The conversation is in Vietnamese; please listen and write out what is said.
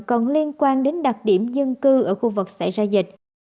còn liên quan đến đặc điểm dân cư ở khu vực xảy ra dịch